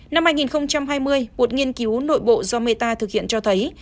năm hai nghìn hai mươi một nghiên cứu nội bộ do meta thực hiện cho thấy